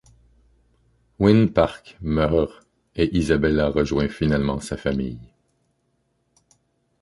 Wynn Park meurt, et Isabella rejoint finalement sa famille.